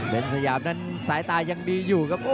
เป็นสยามนั้นสายตายังดีอยู่ครับ